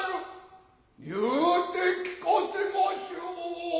言うて聞かせましょう。